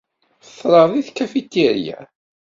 Feḍreɣ deg tkafitirya.